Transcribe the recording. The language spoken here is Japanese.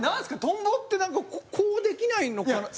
トンボってなんかこうできないのかな。